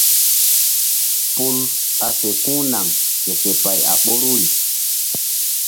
Pul ɓa fe ku̧h naŋ ke fe pay a ɓoruri.